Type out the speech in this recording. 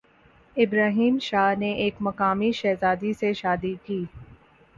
ابراہیم شاہ نے ایک مقامی شہزادی سے شادی کی